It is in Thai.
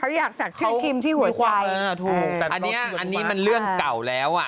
เขาอยากศักดิ์ชื่อคิมที่หัวควายถูกแต่อันนี้อันนี้มันเรื่องเก่าแล้วอ่ะ